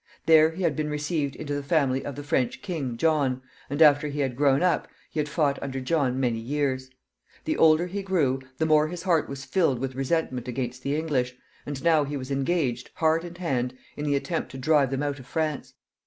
There he had been received into the family of the French king, John, and, after he had grown up, he had fought under John many years. The older he grew, the more his heart was filled with resentment against the English, and now he was engaged, heart and hand, in the attempt to drive them out of France.